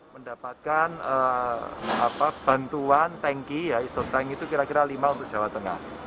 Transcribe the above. mendapatkan bantuan tanki isotank itu kira kira lima untuk jawa tengah